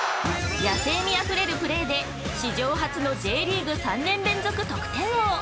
◆野性味あれるプレーで史上初のＪリーグ３年連続得点王。